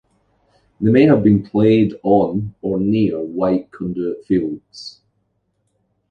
They may have been played on or near White Conduit Fields.